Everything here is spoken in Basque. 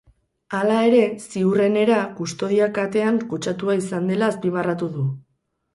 Hala ere, ziurrenera, kustodia katean kutsatua izan dela azpimarratu du.